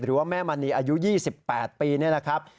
หรือว่าแม่มณีย์อายุ๒๘ปีนี่นะครับ